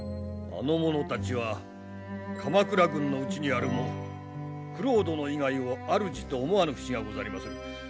あの者たちは鎌倉軍の内にあるも九郎殿以外をあるじと思わぬふしがござりまする。